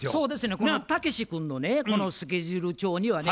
このタケシ君のねこのスケジュール帳にはね